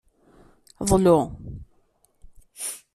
Ḍlu.